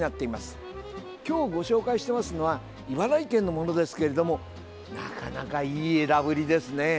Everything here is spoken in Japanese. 今日ご紹介していますのは茨城県のものですけれどもなかなかいい枝ぶりですね。